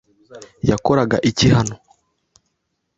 Yakoraga iki hano?